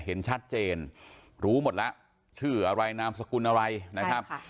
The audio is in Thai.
เห็นชัดเจนรู้หมดแล้วชื่ออะไรนามสกุลอะไรนะครับ